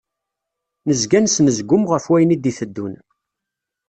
Nezga nesnezgum ɣef wayen i d-iteddun.